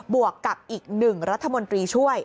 บวกกับอีกหนึ่งรัฐมนตรีช่วย